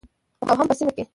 او هم په سیمه کې